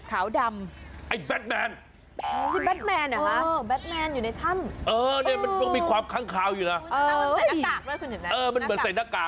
ขาวดำไอ้แบทแมน